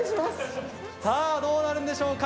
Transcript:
どうなるんでしょうか？